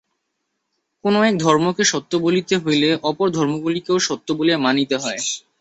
কোন এক ধর্মকে সত্য বলিতে হইলে অপর ধর্মগুলিকেও সত্য বলিয়া মানিতে হয়।